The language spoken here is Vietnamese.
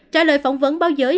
trả lời phỏng vấn báo giới